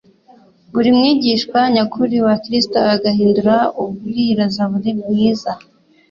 Buri mwigishwa nyakuri wa Kristo, ahinduka umubwirizabutumwa bwiza,